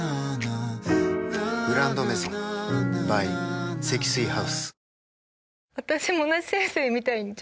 「グランドメゾン」ｂｙ 積水ハウス